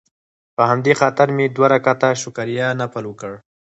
په همدې خاطر مې دوه رکعته شکريه نفل وکړ.